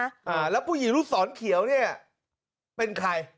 อ่าแล้วผู้หญิงลูกศรเขียวเนี้ยเป็นใคร